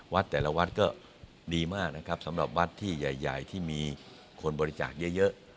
แต่ละวัดก็ดีมากนะครับสำหรับวัดที่ใหญ่ที่มีคนบริจาคเยอะ